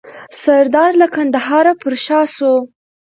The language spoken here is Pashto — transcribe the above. سردار له کندهار پر شا سو.